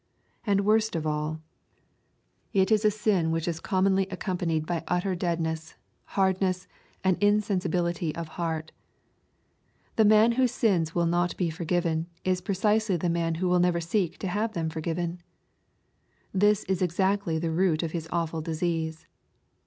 And vvorst of all^ it is a sin which is commonly accompanied LUKE, CHAP, ilf, 67 by utter deadness, hardness, and insensibility of heart The man whose sins will not be forgiven, is precisely the man who will never seek to have them forgiven. This is exactly the root of his awful disease.